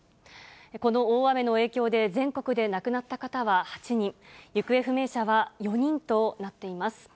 この大雨の影響で、全国で亡くなった方は８人、行方不明者は４人となっています。